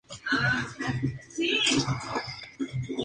El origen de este idioma se debe a Portugal.